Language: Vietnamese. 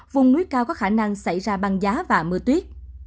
vùng núi cao có khả năng xảy ra băng giá và mưa tuyết